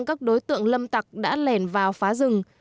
các đối tượng lâm tặc đã lẻn vào phá rừng